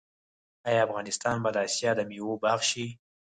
آیا افغانستان به د اسیا د میوو باغ شي؟